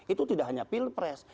itu tidak hanya pilpres